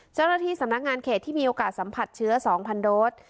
เจ้าหน้าที่สำนักงานเขตที่มีโอกาสสัมผัสเชื้อ๒๐๐โดส